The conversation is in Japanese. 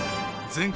［全国